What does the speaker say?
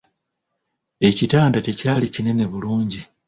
Ekitanda tekyali kinene bulungi.